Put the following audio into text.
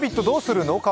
どうするの？